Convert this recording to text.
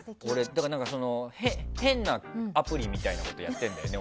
だから、変なアプリみたいなことやってるんだよね。